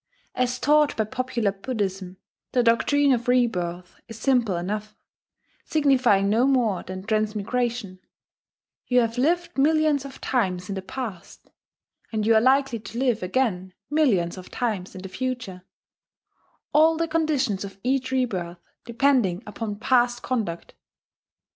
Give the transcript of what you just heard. As taught by popular Buddhism, the doctrine of rebirth is simple enough, signifying no more than transmigration: you have lived millions of times in the past, and you are likely to live again millions of times in the future, all the conditions of each rebirth depending upon past conduct.